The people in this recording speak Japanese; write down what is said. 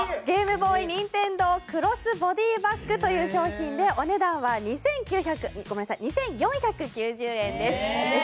ゲームボーイ任天堂クロスボディバッグという商品で、お値段は２４９０円です。